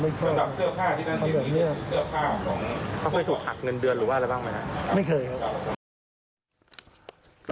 ไม่เคยครับ